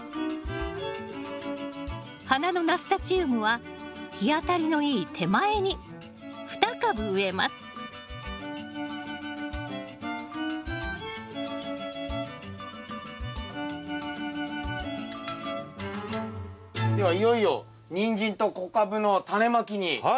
花のナスタチウムは日当たりのいい手前に２株植えますではいよいよニンジンと小カブのタネまきにまいりますけど。